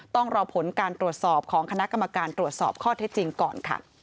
ต้องรอผลการตรวจสอบของคณะกรรมการตรวจสอบข้อเท็จจริงก่อนค่ะ